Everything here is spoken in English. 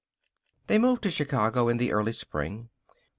They moved to Chicago in the early spring.